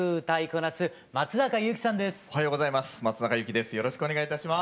おはようございます。